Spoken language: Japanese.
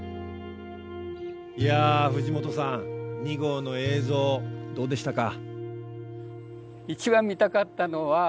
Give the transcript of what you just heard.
いや藤本さん２号の映像どうでしたか？